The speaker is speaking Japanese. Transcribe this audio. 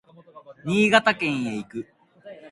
新潟県へ行く